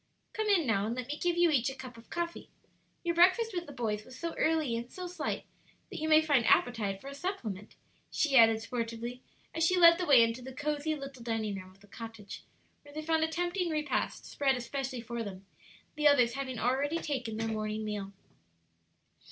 "Come in, now, and let me give you each a cup of coffee. Your breakfast with the boys was so early and so slight, that you may find appetite for a supplement," she added, sportively, as she led the way into the cosey little dining room of the cottage, where they found a tempting repast spread especially for them, the others having already taken their morning meal.